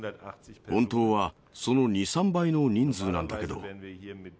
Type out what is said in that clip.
本当はその２、３倍の人数なんだけど。